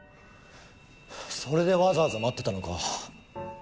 それでわざわざ待ってたのか？